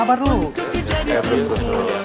ayo terus terus terus